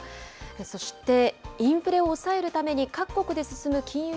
そして、インフレを抑えるために各国で進む金融